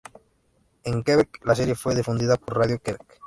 En Quebec, la serie fue difundida por Radio Quebec.